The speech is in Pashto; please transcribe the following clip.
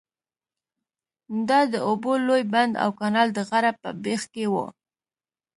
دا د اوبو لوی بند او کانال د غره په بیخ کې وو.